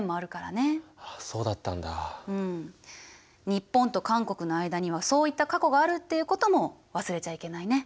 日本と韓国の間にはそういった過去があるっていうことも忘れちゃいけないね。